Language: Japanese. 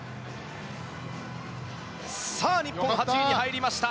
日本、８位に入りました。